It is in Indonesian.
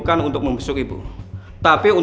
jangan akan jakie jakan